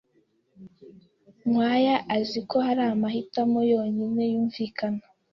Nkwaya azi ko hari amahitamo yonyine yumvikana.